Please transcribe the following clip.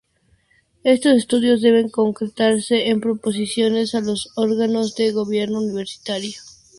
Estos estudios deben concretarse en proposiciones a los órganos de gobierno universitario.